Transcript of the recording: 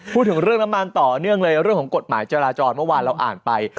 พูดถึงเรื่องน้ำมันต่อเนื่องเลยเรื่องของกฎหมายจราจรเมื่อวานเราอ่านไป